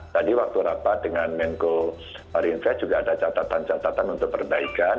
tadi waktu rapat dengan menko marinvest juga ada catatan catatan untuk perbaikan